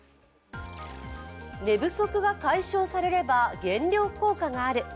寝不足が解消されれば減量効果がある。